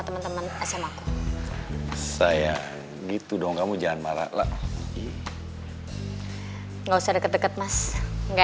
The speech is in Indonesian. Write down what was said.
teman teman smaku saya gitu dong kamu jangan marah lah nggak usah deket deket mas enggak